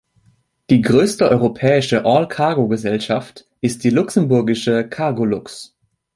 Die größte europäische All-Cargo-Gesellschaft ist die luxemburgische Cargolux.